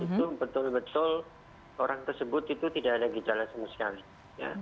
itu betul betul orang tersebut itu tidak ada gejala sama sekali